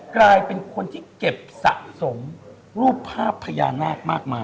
กลายเป็นคนที่เก็บสะสมรูปภาพพญานาคมากมาย